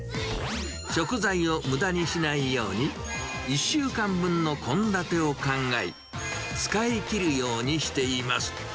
食材をむだにしないように、１週間分の献立を考え、使い切るようにしています。